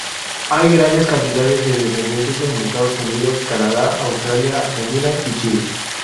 Hay grandes cantidades de descendientes en Estados Unidos, Canadá, Australia, Argentina y Chile.